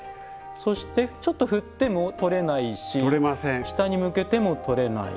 そしてちょっと振っても取れないし下に向けても取れない。